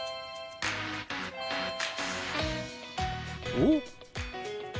おっ！